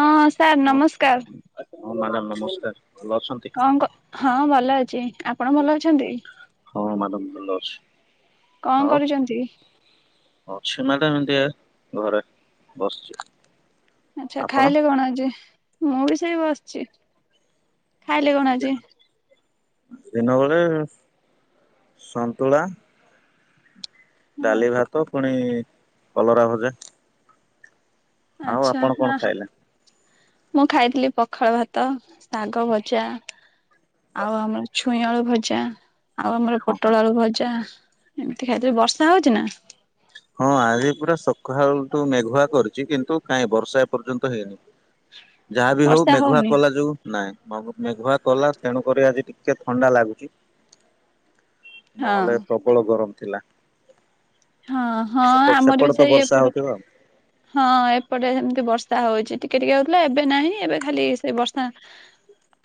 ହଁ ସାର୍ ହଁ ନମସ୍କାର। ହଁ ମ୍ୟାଡାମ୍ ନମସ୍କାର। ଭଲ ଅଛନ୍ତି, କଣ କ ହଁ ଭଲ ଅଛି ଆପଣ ଭଲ ଅଛନ୍ତି? ହଁ ମ୍ୟାଡାମ ଭଲ ଅଛି। କଣ ଆଉ କରୁଛନ୍ତି? ଏମିତି ଘରେ ବସିଛି। ଆଚ୍ଛା ଆପଣ ଖାଇଲେ କଣ ଆଜି? ମୁଁ ବି ସେଇ ବସିଛି। ଖାଇଲେ କଣ ଆଜି? ଦିନବେଳେ ସନ୍ତୁଳା ଡାଲି, ଭାତ ପୁଣି କଲରା ଭଜା। ଆଉ ଆଚ୍ଛା ଆପଣ କଣ ହଁ। ଖାଇଲେ? ମୁଁ ଖାଇଥିଲି ପଖାଳ ଭାତ, ଶାଗ ଭଜା ଆଉ ଆମର ଛୁଇଁ ଆଳୁ ଭଜା। ଆଉ ଆମର ହଁ ହଁ ପୋଟଳ ଆଳୁ ଭଜା ଏମିତି ଖାଇଥିଲୁ। ବର୍ଷା ହେଉଛି ନା? ହଁ ଆଜି ପୁରା ସକାଳ ତୁ ମେଘୁଆ କରିଛି କିନ୍ତୁ କାହିଁ ବର୍ଷା ଏ ପର୍ଯ୍ୟନ୍ତ ହେଇନି। ଯାହା ବି ହଉ ବର୍ଷା ମେଘୁଆ ହଉନି କଲା ଯୋଗୁ ନାଇଁ ମଗ ମେଘୁଆ କଲା ତେଣୁ କରି ଆଜି ଟିକେ ଥଣ୍ଡା ଲାଗୁଚି। ହଁ ନହେଲେ ପ୍ରବଳ ଗରମ। ଥିଲା। ହଁ ହଁ ସେପଟ ଆମର ବି ସେପଟେ ତ ସେଇ ବର୍ଷା ଏପଟେ ହଉଥିବ ଆଉ। ହଁ ଏପଟେ ସେମିତି ବଷ୍ ର୍ଷା ହଉଛି ଟିକେ ଟିକେ ହଉଥିଲା ଏବେ ନାହିଁ ଏବେ ଖାଲି ସେ ବର୍ଷା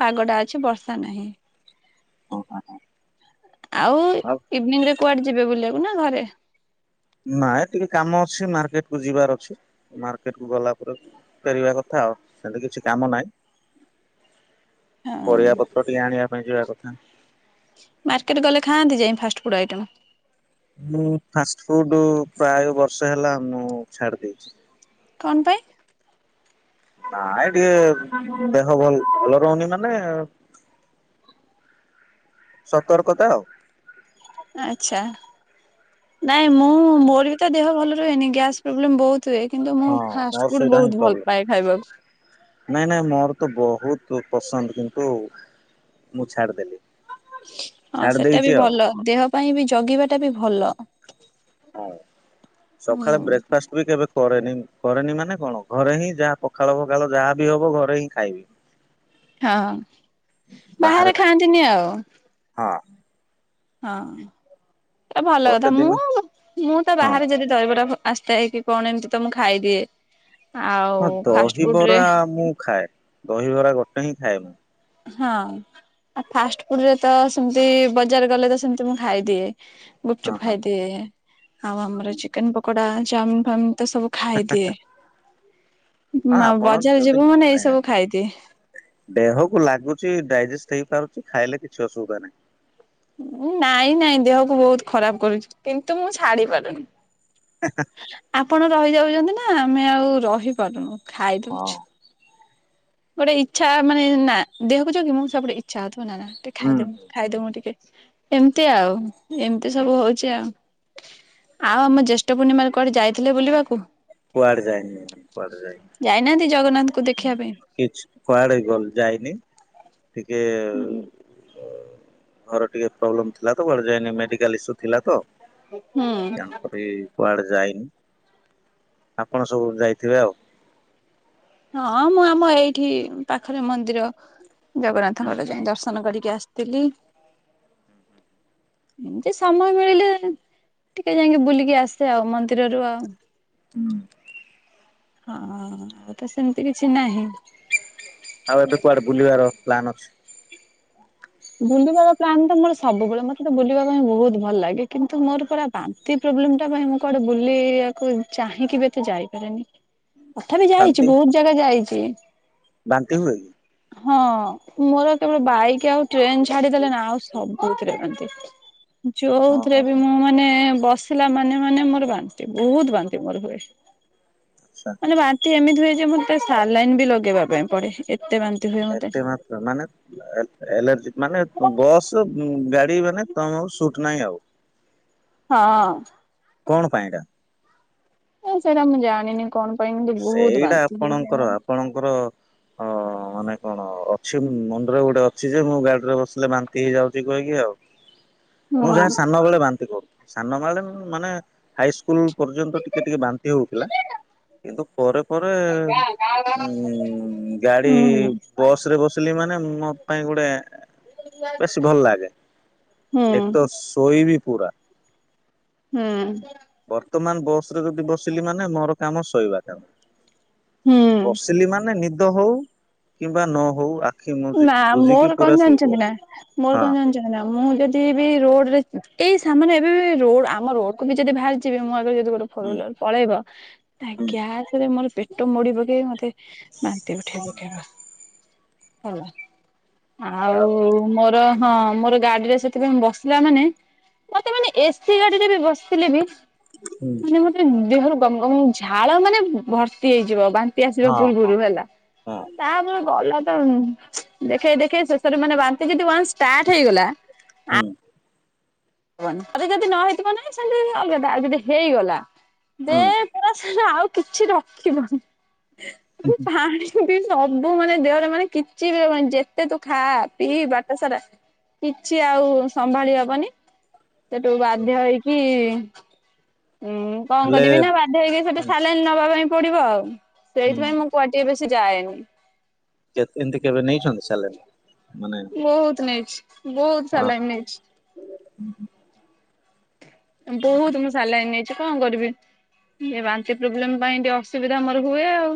ପାଗଟା ଅଛି ବର୍ଷା ନାହିଁ। ହଁ ହଁ ହଁ। ଆଉ ଇଭିନିଂ ରେ କୁଆଡେ ଯିବେ ବୁଲିଆ କୁ ନା ଘରେ? ନାଇଁ ଟିକେ କାମ ଅଛି ମାର୍କେଟ କୁ ଯିବାର ଅଛି। ମାର୍କେଟ କୁ ଗଲା ପରେ ଫେରିବା କଥା। ଆଉ ସେମତି କିଛି କାମ ନାଇଁ। ହଁ ପରିବା ପତ୍ର ଟିକେ ଆଣିଆ ପାଇଁ ଯିବା କଥା। ମାର୍କେଟ ଗଲେ ଖାଆନ୍ତି ଯାଇ ଫାଷ୍ଟ ଫୁଡ ଆଇଟମ? ମୁଁ ଫାଷ୍ଟ ଫୁଡ ପ୍ରାୟେ ବର୍ଷେ ହେଲା ମୁଁ ଛାଡି ଦେଇଛି। କଣ ପାଇଁ? ନାଇ ଟିକେ ଦେହ ଭଲ ଭଲ ରହୁନି ମାନେ ସତର୍କତା ଆଉ। ଆଚ୍ଛା। ନାଇଁ ମୁଁ ମୋର ବି ତ ଦେହ ଭଲ ରୁହେନି ଗ୍ୟାସ ପ୍ରୋବ୍ଲେମ ବହୁ ତ ହୁଏ କିନ୍ତୁ ମୁଁ ହଁ ମୋର ଫାଷ୍ଟ ଫୁଡ ସେଇଟା ହିଁ ବହୁତ ଭଲ ପ୍ରୋବ୍ଲେମ। ପାଏ ଖାଇବାକୁ। ନାଇଁ ନାଇଁ ମୋର ତ ବହୁତ ପସନ୍ଦ କିନ୍ତୁ ମୁଁ ଛାଡିଦେଲି। ହଁ ଛାଡି ସେଟା ଦେଇଛି ବି ଆଉ ଭଲ ଦେହ ପାଇଁ ବି ଜଗିବା ଟା ବି ଭଲ। ହଁ ହୁଁ ସଖାଳେ ବ୍ରେକଫାଷ୍ଟ ବି କେବେ କରେନି। କରେନି ମାନେ କଣ ଘରେ ହିଁ ଯାହା ପଖାଳ ଫଖାଳ ଯାହା ବି ହବ ଘରେ ହିଁ ଖାଇବି। ହଁ ବାହାରେ ଖାଆନ୍ତିନି ଆଉ। ହଁ ହଁ ଏ ଭଲ ଗୋଟେ କଥା ଦିନ ମୁଁ ମୁଁ ତ ହଁ ବାହାରେ ଯଦି ଦହିବରା ଫ ଆସିଥାଏ କି କଣ ଏମିତି ତ ମୁଁ ଖାଇଦିଏ। ଆଉ ହଁ ଫାଷ୍ଟ ଫୁଡ ରେ ଦହିବରା ମୁଁ ଖାଏ। ଦହିବରା ଗୋଟେ ହିଁ ଖାଏ ମୁଁ। ହଁ ଆଉ ଫାଷ୍ଟ ଫୁଡ ରେ ତ ସେମତି ବଜାର ଗଲେ ତ ସେମତି ମୁଁ ଖାଇଦିଏ। ହଁ ଗୁପଚୁପ ହଁ ଖାଇଦିଏ ଆଉ ଆମର ଚିକେନ ପକୋଡା ଚାଓମିନ ଫାଓମିନ। ଏତେ ସବୁ ଖାଇଦିଏ। ହଁ ଆପଣ ବଜାର ଯଦି ଯିବୁ ମାନେ ଏଇ ଏଁ ସବୁ ଖାଇଦିଏ। ଦେହକୁ ଲାଗୁ ଚି ଡାଇଜେଷ୍ଟ ହେଇପାରୁଚି ଖାଇଲେ କିଛି ଅସୁବିଧା ନାହିଁ। ଉଁ ନାଇଁ ନାଇଁ ଦେହକୁ ବହୁତ ଖରାପ କରୁଚି କିନ୍ତୁ ମୁଁ ଛାଡି ପାରୁନି। ଆପଣ ରହିଯାଉଚନ୍ତି ନା ଆମେ ଆଉ ରହିପାରୁନୁ ହଁ ଖାଇଦଉଛୁ। ଗୋଟେ ଇଚ୍ଛା ମାନେ ନା ଦେହକୁ ଜଗି ମୁଁ ସବୁଠି ଇଚ୍ଛା ଅ [unintelligible] ନା ନା ଟିକେ ହୁଁ ହୁଁ ଖାଇଦେମି ଖାଇଦମୁ ଟିକେ। ଏମତି ଆଉ ଏମତି ସବୁ ହଉଛି ଆଉ। ଆଉ ଆମ ଜ୍ୟେଷ୍ଠ ପୂର୍ଣ୍ଣିମାରେ କୁଆଡେ ଯାଇଥିଲେ ବୁଲିବାକୁ? କୁଆଡେ ଯାଇନି କୁଆଡେ ଯାଇନି ଯାଇନାହାନ୍ତି ଜଗନ୍ନାଥଙ୍କୁ ଦେଖିଆ ପାଇଁ? କିଛି କୁଆଡେ ଗଲ ଯାଇନି ଟିକେ ଉ ଅ ଘର ଟିକେ ପ୍ରୋବ୍ଲେମ ଥିଲା ତ କୁଆଡେ ଯାଇନି ମେଡିକାଲ ଇସ୍ୟୁ ଥିଲା ତ। ହୁଁ। ତେଣୁକରି କୁଆଡେ ଯାଇନି। ଆପଣ ସବୁ ଯାଇଥିବେ ଆଉ? ହଁ ମୁଁ ଆମ ଏଇଠି ପାଖରେ ମନ୍ଦିର ଜଗନ୍ନାଥଙ୍କର ଯାଇ ଦର୍ଶନ କରିକି ଆସ ଥିଲି। ହୁଁ। ଏମିତି ସମୟ ମିଳିଲେ ଟିକେ ଯାଇକି ବୁଲିକି ଆସେ ଆଉ ମନ୍ଦିରରୁ ଆଉ। ହୁଁ। ହଁ ଆଉ ତ ସେମିତି କିଛି ନାହିଁ। ଆଉ ଏବେ କୁଆଡେ ବୁଲିବାର ପ୍ଲାନ ଅଛି? ବୁଲିବାର ପ୍ଲାନ୍ ତ ମୋର ସବୁବେଳେ ମତେ ତ ବୁଲିବା ପାଇଁ ବହୁତ ଭଲ ଲାଗେ କିନ୍ତୁ ମୋର ପରା ବା ନ୍ତି ପ୍ରୋବ୍ଲେମ୍ ଟା ପାଇଁ ମୁଁ କୁଆଡେ ବୁଲିବାକୁ ଚାହିଁକି ବି ଏତେ ଯାଇପାରେନି। ତଥାପି ବାନ୍ତି ଯାଇଛି ବହୁତ ଜାଗା ଯାଇଛି। ବାନ୍ତି ହୁଏ କି? ହଁ ମୋର କେବଳ ବାଇକ୍ ଆଉ ଟ୍ରେନ୍ ଛାଡିଦେଲେ ନା ଆଉ ସବୁଥିରେ ବାନ୍ତି। ହଁ ଯୋଉଥିରେ ହଁ ବି ମୁଁ ଆଚ୍ଛା ମାନେ ବସ୍ ବସିଲା ମାନେ ମାନେ ମୋର ବାନ୍ତି ବହୁତ ବାନ୍ତି ମୋର ହୁଏ ମାନେ ବାନ୍ତି ଏମିତି ହୁଏ ଯେ ମୋତେ ସାଲାଇନ୍ ବି ଲଗେଇବା ପାଇଁ ପଡେ ଏ ଏତେ ମାତ୍ରା ମାନେ ଆଲ ଆଲେର୍ଜି ମାନେ ଉଁ ବସ୍ ଉଁ ଗାଡି ମାନେ ତମକୁ ସୁଟ୍ ନାହିଁ ଆଉ। ହଁ। କଣ ପାଇଁ ଏଇଟା? ହେ ସେଇଟା ମୁଁ ଜାଣିନି। କଣ ପାଇଁ କିନ୍ତୁ ବହୁତ ସେଇଟା ବାନ୍ତି ହେଇଯାଏ ଆପଣଙ୍କର ମୋର। ଆପଣଙ୍କର ଅ ମାନେ କଣ ଅଛି ମୋ ମୁଣ୍ଡରେ ଗୋଟେ ଅଛି ଯେ ମୁଁ ଗାଡିରେ ବସିଲେ ବାନ୍ତି ହେଇଯାଉଛି କହିକି ଆଉ। ମୁଁ ଯାହା ହୁଁ ସାନବେଳେ ବାନ୍ତି କରୁଥିଲି ସାନବେଳେ ମୁଁ ମାନେ ହାଇସ୍କୁଲ୍ ପର୍ଯ୍ୟନ୍ତ ଟିକେ ଟିକେ ବାନ୍ତି ହଉଥିଲା କିନ୍ତୁ ପରେ ପରେ ଉଁ ଗାଡି ହୁଁ ବସ୍ ରେ ବସିଲି ମାନେ ମୋ ପାଇଁ ଗୋଟେ ବେଶୀ ଭଲ ଲାଗେ ହୁଁ ଏକ ତ ଶୋଇବି ପୁରା। ହୁଁ। ବର୍ତ୍ତମାନ ବସ୍ ରେ ଯଦି ବସିଲି ମାନେ ମୋର କାମ ଶୋଇବା କାମ। ହୁଁ। ବସିଲି ମାନେ ନିଦ ହଉ କିମ୍ବା ନ ହଉ ଆ ନାଁ ମୋର କଣ ଜାଣିଛନ୍ତି ନା ମୋର ହଁ କଣ ଜାଣିଛନ୍ତି ନା ମୁଁ ଯଦି ବି ରୋଡ୍ ରେ ଉଁ ଏଇ ସାମାନ୍ୟ ଏବେ ବି ରୋଡ୍ ଆମ ରୋଡ୍ କୁ ବି ଯଦି ବାହାରିଯିବି ମୁଁ ଆଗରୁ ଯେ ଯଦି ଗୋଟେ ଫୋର୍ ହୁଁ ହୁଇଲର୍ ପଳେଇବ ତା ହୁଁ ଗ୍ୟାସ୍ ରେ ମୋର ପେଟ ମୋଡି ପକେଇ ମତେ ବାନ୍ତି ଉଠେଇବ ଉଠେଇବ। ହେଲା ଆଉ ମୋର ହଁ ମୋର ଗାଡିରେ ସେଥିପାଇଁ ବସିଲା ମାନେ ମତେ ମାନେ ଏସି ଗାଡିରେ ବି ବସିଥିଲେ ବି ହୁଁ ମାନେ ମତେ ଉଁ ଦେହରୁ ଗମ୍ ଗମ୍ ଝାଳ ମାନେ ଭର୍ତ୍ତି ହେଇଯିବ ବା। ସିଏ ଆସିବା ହଁ ହଁ ପୂର୍ବୁରୁ ହେଲା ହଁ ତାପରେ ଗଲା। ତ ଦେଖେଇ ଦେଖେଇ ଶେଷରେ ମାନେ ବାନ୍ତି ଯେଦି ୱାନ୍ସ୍ ଷ୍ଟାର୍ଟ ହେଇଗଲା ହୁଁ ୱାନ୍ ଥରେ ଯଦି ନ ହେଇଥିବ ନାଇଁ ସେଇଟା ଅଲଗା କଥା ଆଉ ଯଦି ହେଇଗଲା। ଦେ ହୁଁ ପୁରା ସେ ଆଉ କିଛି ରଖିବନି ପାଣି ସବୁ ମାନେ ଦେହରେ ମାନେ କିଛି ବି ରହିବନି ଯେତେ ତୁ ଖା ପିଇ ବାଟ ସାରା। କିଛି ଆଉ ସମ୍ଭାଳି ହବନି। ସେଠୁ ବାଧ୍ୟ ହେଇକି ହୁଁ କଣ ହେଲେ କରିବି ନା ବାଧ୍ୟ ହେଇକି ସେଠି ହୁଁ ସାଲାଇନ୍ ନବା ପାଇଁ ପଡିବ ଆଉ ହୁଁ ସେଇଥିପାଇଁ ମୁଁ କୁଆଡ଼େ ଟିକେ ବେ ସି ଯାଏନି। କେ ଏମିତି କେବେ ନେଇଛନ୍ତି ସାଲାଇନ୍? ବହୁତ ନେଇଛି ବହୁତ ହଁ ସାଲାଇନ୍ ନେଇଛି। ବହୁତ ମୁଁ ସାଲାଇନ୍ ନେଇଛି କଣ କରିବି। ଇଏ ବାନ୍ତି ପ୍ରୋବ୍ଲେମ୍ ପାଇଁ ଟିକେ ଅସୁବିଧା ମୋର ହୁଏ ଆଉ।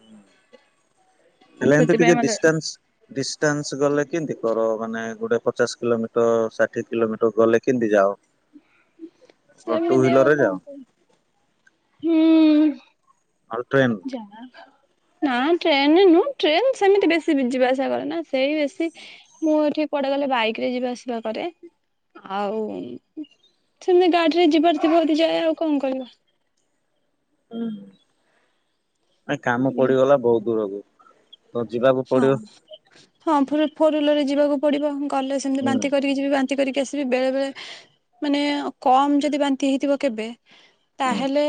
ହୁଁ ହେଲେ ଏମିତି ସେଥିପାଇଁ ଟିକେ ମତେ ଡିଷ୍ଟାନ୍ସ୍ ଡିଷ୍ଟାନ୍ସ୍ ଗଲେ କେମତି କର। ମାନେ ଗୋଟେ ପଚାଶ କିଲୋମିଟର ଷାଠିଏ କିଲୋମିଟର ଗଲେ କେମିତି ଯାଅ? ଟୁ ସେମିତି ଆଉ ହ୍ୱିଲର ରେ କଣ ଯାଅ କରିବା। ହୁଁ ଆଉ ଟ୍ରେନ ଯା ନାଁ। ଟ୍ରେନ୍ ନୁହଁ ଟ୍ରେନ୍ ସେମିତି ବେଶୀ ବି ଯିବା ଆସିବା କରେନା ସେଇ ବେଶୀ ମୁଁ ଏଠି କୁଆଡେ ଗଲେ ବାଇକ୍ ରେ ଯିବା ଆସିବା କରେ। ଆଉ ସେମିତି ଗାଡିରେ ଯିବାର ଥିବ ଯାଏ ଆଉ କଣ କରିବା। କାମ ପଡିଗଲା ବହୁତ ଦୂରକୁ ତ ଯିବାକୁ ହଁ ପଡିବ ହଁ ଫୋର୍ ଇଲାର ରେ ଯିବାକୁ ପଡିବ ଗଲେ ସେମତି ହୁଁ ବାନ୍ତି କରିକି ଯିବି ବାନ୍ତି କରିକି ଆସିବି ବେଳେ ବେଳେ ମାନେ କମ ଯଦି ବାନ୍ତି ହେଇଥିବ କେବେ? ହୁଁ ତାହେଲେ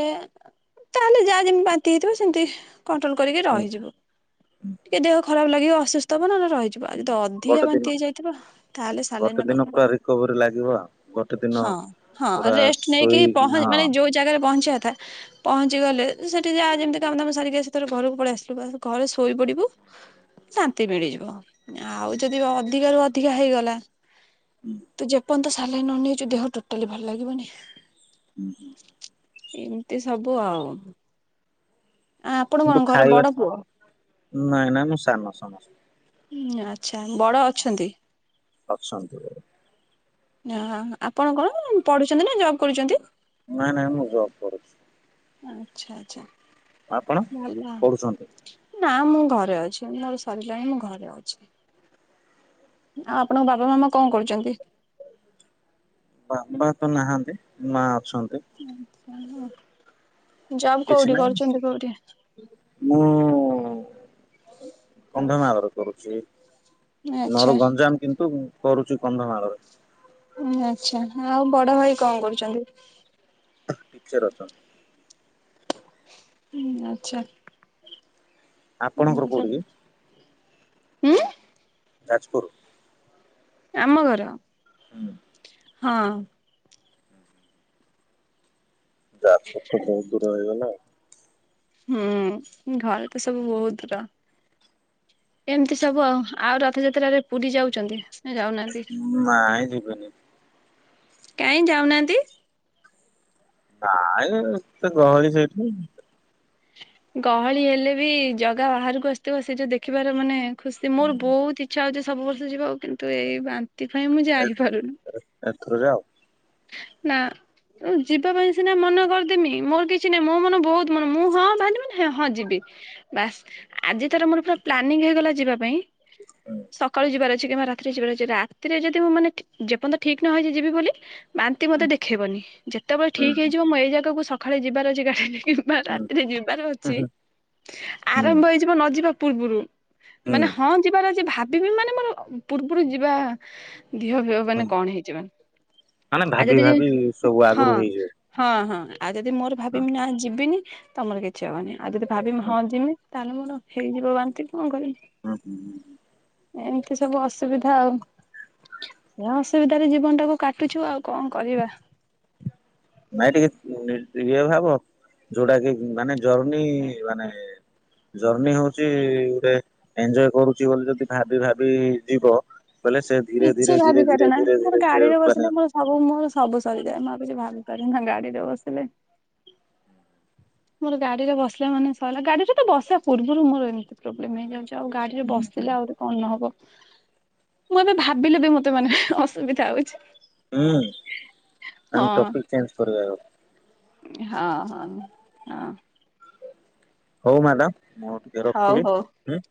ତାହେଲେ ଯାହା ଯେମିତି ବାନ୍ତି ହେଇଥିବ ସେମତି କଣ୍ଟ୍ରୋଲ କରିକି ହୁଁ ରହିଯିବ। ଖରାପ ଲାଗିବ ଅସୁସ୍ଥ ହେବ। ରହିଯିବଉ ଯଦି ଅଧିକା ଗୋଟେ ଦିନ ବାନ୍ତି ହେଇଯାଇଥିବ ତାହେଲେ ସାଲାଇ ଗୋଟେ ଦିନ ନେବାକୁ ପୁରା ପଡେ ରିକଭରି ଲାଗିବ ଆଉ ଗୋଟେ ଦିନ ହଁ ହଁ ପୁରା ରେଷ୍ଟ ନେଇକିହ ଶୋଇକି ହଁ ମାନେ ଯୋଉ ଜାଗାରେ ପହଞ୍ଚିବା ଥା ପହଞ୍ଚିଗଲେ ସେଠି ଯାହା ଯେମିତି କାମ ଦାମ ସାରିକି ଆସିଥିଲୁ ଘରକୁ ପଳେଇ ଆସିଲୁ ବା ଘରେ ଶୋଇପଡ଼ିବୁ ଶାନ୍ତି ମିଳିଯିବ ଆଉ ଯଦି ଅଧିକ ରୁ ଅଧିକା ହେଇଗଲା ତୁ ଯେପନ୍ତ ସାଲାଇନ୍‌ ନ ନେଇଛୁ ଦେହ ଟୋଟାଲି ଭଲ ଲାଗିବନି। ଉଁ ହୁଁ। ଏମିତି ସବୁ ଆଉ ଆ ଆପଣ କିନ୍ତୁ ଙ୍କଣ ଘରେ ଖାଇବା ବଡ଼ ପୁଅ? ନାଇଁ ନାଇଁ ମୁଁ ସାନ ସାନ ସାନ -। ଉଁ ଆଚ୍ଛା ବଡ଼ ଅଛନ୍ତି? ଅଛନ୍ତି। ଆ ଆପଣ କଣ ପଢୁଛନ୍ତି ନା ଜବ୍ କରୁଛନ୍ତି? ନାହିଁ ନାହିଁ ମୁଁ ଜବ୍ କରୁଛି। ଆଚ୍ଛା ଆଚ୍ଛା। ଆପଣ ଭଲ। ପଢୁଛନ୍ତି? ନା ମୁଁ ଘରେ ଅଛି ମୋର ସାରିଲାଣି ମୁଁ ଘରେ କିଏ ଅଛି ଆଉ ଆପଣଙ୍କ ବାପା ମାମା କଣ କରୁଛନ୍ତି? ବାପା ତ ନାହାନ୍ତି ମା ଅଛନ୍ତି। ଓ ହୋ। କିଛି ମୁଁ କନ୍ଧମାଳ ର କରୁଛି। ନର ଆଚ୍ଛା ଗଞ୍ଜାମ କିନ୍ତୁ କରୁଛିୁ କନ୍ଧମାଳରେ। ଆଛା ଆଉ ବଡ ଭାଇ କଣ କରୁଛନ୍ତି? ଟିଚର ଅଛନ୍ତି ହୁଁ ଆଛା। ଆପଣଙ୍କ ଘର କୋଉଠି କି। ହୁଁ। ଯାଜପୁର। ଆମ ଘର। ହୁଁ ହଁ। ଯାଜପୁର ତ ବହୁତ ଦୂର ହେଇଗଲା ଆଉ। ହୁଁ ଘରେ ତ ସବୁ ବହୁତ ଦୂର। ଏମିତି ସବୁ ଆଉ ଆଉ ରଥଯାତ୍ରାରେ ପୁରୀ ଯାଉଛନ୍ତି? ନା ଯାଉନାହାନ୍ତି? ନାଇଁ ଯିବିନି। କାହିଁ ଯାଉନାହାନ୍ତି। ନାଇଁ ତ ଗହଳି ସେଇଠି। ଗହଳି ହେଲେ ବି ଜଗା ବାହାରକୁ ଆସିଥିବ ସେ ଯୋଉ ଦେଖିବାର ମାନେ ଖୁସି ମୋର ବହୁତ ଇଛା ହଉଛି ସବୁ ବର୍ଷ ଯିବାକୁ କିନ୍ତୁ ଏଇ ବାନ୍ତି ପାଇଁ ମୁଁ ଏ ଯାଇପାରୁନି। [unintelligible] ନାଁ। ତ ଯିବା ପାଇଁ ସିନା ମନ କରିଦେମି ମୋର କିଛି ନାହିଁ ମୋ ମନ ବହୁତ ମନ ମୁଁ ହିଁ ବାହାରିଲି ମାନେ ହଁ ଯିବି। ବାସ୍ ଆଜି ତାର ମୋର ପୁରା ପ୍ଲାନିଂ ହେଇଗଲା ଯିବା ପାଇଁ ସକାଳୁ ଯିବାର ଅ ରାତିରେ ଯିବାର ଅଛି ରାତିରେ ଯଦି ମୁଁ ମାନେ ଯେପର୍ଯ୍ୟନ୍ତ ତ ଠିକ ନହେଇଚି ଯିବି ବୋଲି। ବାନ୍ତି ମୋତେ ଦେଖେଇବନି ଯେତେବେଳେ ହୁଁ ଠିକ ହେଇଯିବ। ମୁଁ ଏଇ ଜାଗାକୁ ସକାଳେ ଯିବାର ଅଛି ଗାଡି କିମ୍ବା ହୁଁ ରାତିରେ ଯିବାର ଅଛି ହୁଁ ହୁଁ ହୁଁ ଆରମ୍ଭ ହେଇଯିବ ନ ଯିବା ପୂର୍ବରୁ। ହୁଁ ମାନେ ହଁ ଯିବାର ଅଛି ଭାବିବି ମାନେ ମୋର ପୂର୍ବରୁ ଯିବା ଦିହ ଫିଅ ମାନେ ହୁଁ କଣ ହେଇଯିବ ମାନେ ମାନେ ଆ ଭାବି ଯଦି ଯ ଭାବି ସବୁ ହଁ ଆଗରୁ ହଁ। ହେଇଯିବ। ହଁ ହଁ ଆଉ ଯଦି ମୋର ଭାବିମି ନା ଯିବିନି ତମର କିଛି ହବନି ଆଉ ଯଦି ଭାବି ହୁଁ ହୁଁ ହଁ ଯିମି ତାହେଲେ ମୋର ହେଇଯିବ ବାନ୍ତି। କଣ କରିବି ହୁଁ ହୁଁ ହୁଁ ହୁଁ। ଏମିତି ସବୁ ଅସୁବିଧା ଆଉ ସେ ଅସୁବିଧାରେ ଜୀବନ ଟାକୁ କାଟି କାଟୁଛୁ ଆଉ କଣ କରିବା। ନାଇଁ ଟିକେ ଇଏ ଭାବ ଯୋଉଟା କି ମାନେ ଜର୍ନି ମାନେ ଜର୍ଣିି ହଉଛି ଗୋଟେ ଏଞଜୟ କରୁଛି ବୋଲି ଯଦି ଭାବି ଭାବି ଯିବ ବୋଇଲେ ସେ ଧୀରେ କିଛି ଧୀରେ ଧୀରେ ଭାବି ଧୀରେ ପାରେ ନା ଧୀରେ ଧୀରେ ମୋର ଧୀରେ ଗାଡି ରେ ମାନେ ବସିଲେ, ମୋର ସବୁ ମୋର ସବୁ ସରିଯାଏ ମୁଁ ଆଉ କିଛି ଭାବି ପାରୁନ ହଙ୍ଗାଡି ଦେବସଲେ ମୋର ଗାଡିରେ ବସିଲା ମାନେ ସରିଲଲା ଗାଡିରେ ତ ବସିବା ପୂର୍ବରୁ ମୋର ଏମିତି ପ୍ରୋବ୍ଲେମ ହେଇଯାଉଛି। ଆଉ ଗାଡିରେ ବସିିଲେ ଆହୁରି କଣ ହବ? ମୁଁ ଏବେ ଭାବିଲି ବି ମତେ ମାନେ ଅସୁବିଧା ହଉଛି। ହୁଁ ନମ ହଁ ଟାପିକ ଚେଞଜ୍ କରିବ ଆ ହଁ ହଁ ହଁ। ହଉ ମ୍ୟାଡ଼ାମ ମୁଁ ଟିକେ ହଉ ରଖିବି ହଉ ହଁ।